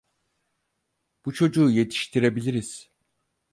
Bu çocuğu yetiştirebiliriz!